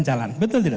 jadi kita lihat